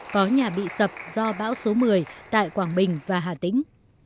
có nhà bị sập do bão số một mươi tại quảng bình và hà tĩnh